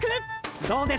どうです？